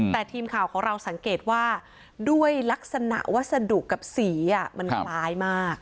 แต่ทีมข่าวของเราสังเกตว่าด้วยลักษณะวัสดุกับสีมันคล้ายมาก